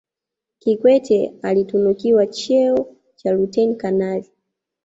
kikwete alitunukiwa cheo cha luteni kanali